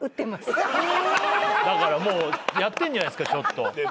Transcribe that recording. だからもうやってんじゃないですかちょっと。